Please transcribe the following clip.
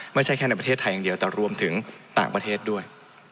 ไม่ใช่แค่ในประเทศไทยอย่างเดียวแต่รวมถึงต่างประเทศด้วย